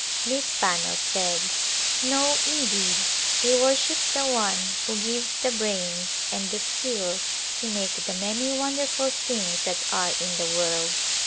Miss Pannell said, " No indeed, we worship the One who gives the brains and the skill to make the many wonderful things that are in the world.